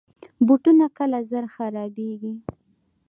بوټونه کله زر خرابیږي.